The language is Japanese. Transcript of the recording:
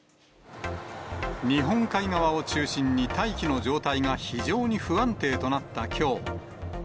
日本海側を中心に、大気の状態が非常に不安定となったきょう。